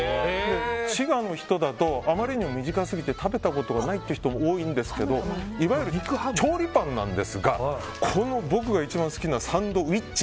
滋賀の人だとあまりにも身近すぎて食べたことがないっていう人も多いんですけどいわゆる調理パンなんですが僕が一番好きなサンドウィッチ。